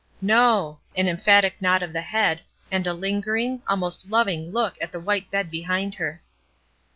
"No." An emphatic nod of the head, and a lingering, almost loving look at the white bed behind her.